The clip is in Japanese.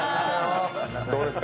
どうですか？